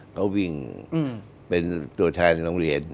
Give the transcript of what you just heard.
เขาวิ่งเป็นตัวแทนโรงเรียน